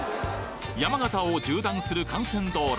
山形を縦断する幹線道路